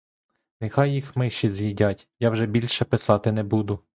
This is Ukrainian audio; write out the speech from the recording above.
Нехай їх миші з'їдять, я вже більше писати не буду!